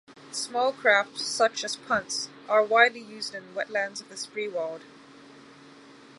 Small craft, such as punts, are widely used in wetlands of the Spreewald.